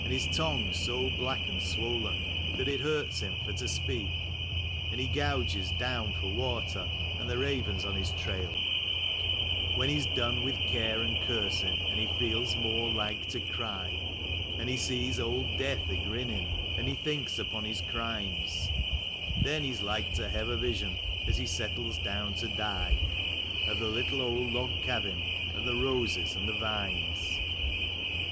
An' his tongue's so black an' swollen that it hurts him fer to speak, An' he gouges down fer water, an' the raven's on his trail ; When he's done with care and cursin', an' he feels more lilce to cry, An' he sees ol' Death a grinnin', an' he thinks upon his crimes, Then he's like ter hev' a vision, as he settles down ter die, Of the little ol' log cabin an' the roses an' the vines.